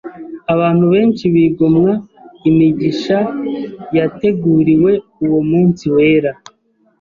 abantu benshi bigomwa imigisha yateguriwe uwo munsi wera.